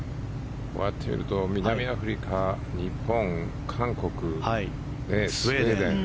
こうやってみると南アフリカ、日本、韓国スウェーデン